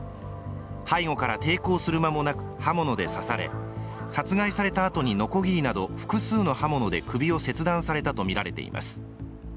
背後から抵抗する間もなく刃物で刺され殺害されたあとにのこぎりなど複数の刃物で首を切断されたとみられています